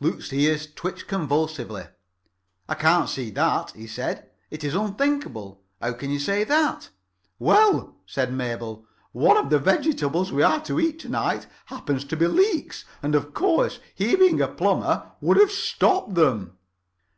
Luke's ears twitched convulsively. "I can't see that," he said. "It is unthinkable. How can you say that?" "Well," said Mabel, "one of the vegetables we are [Pg 9]to eat to night happens to be leeks. And, of course, he, being a plumber, would have stopped them."